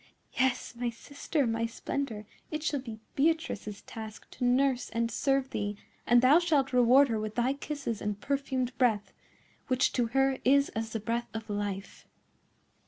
"Yes, my sister, my splendour, it shall be Beatrice's task to nurse and serve thee; and thou shalt reward her with thy kisses and perfumed breath, which to her is as the breath of life."